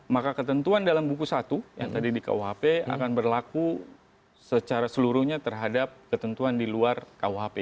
maka ketentuan dalam buku satu yang tadi di kuhp akan berlaku secara seluruhnya terhadap ketentuan di luar kuhp